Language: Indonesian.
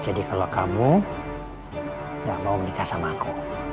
jadi kalau kamu gak mau menikah sama aku